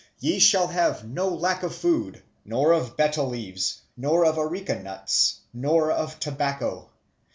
Ye shall have no lack of food nor of betel leaves nor of areca nuts nor of tobacco.